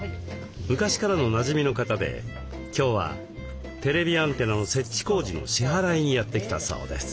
昔からのなじみの方で今日はテレビアンテナの設置工事の支払いにやって来たそうです。